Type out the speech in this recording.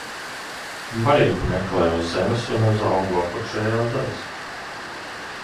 Barību meklē uz zemes un uz augu apakšējās daļas.